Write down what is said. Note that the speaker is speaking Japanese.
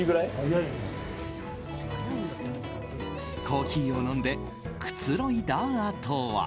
コーヒーを飲んでくつろいだあとは。